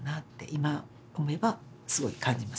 今思えばすごい感じますよね